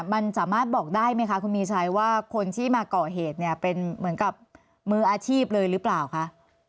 มันสามารถบอกได้ไหมคะคุณมีชัยว่าคนที่มาก่อเหตุเนี่ยเป็นเหมือนกับมืออาชีพเลยหรือเปล่าคะ